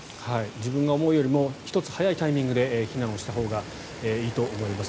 自分が思うよりも１つ早いタイミングで避難をしたほうがいいと思います。